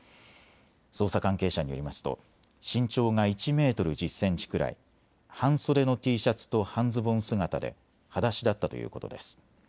捜査関係者によりますと身長が１メートル１０センチくらい、半袖のＴシャツと半ズボン姿ではだしだったということです。